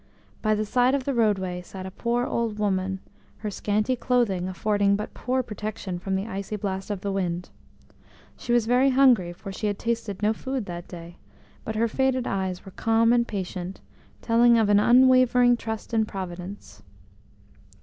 By the side of the roadway sat a poor old woman, her scanty clothing affording but poor protection from the icy blast of the wind. She was very hungry, for she had tasted no food that day, but her faded eyes were calm and patient, telling of an unwavering trust in Providence.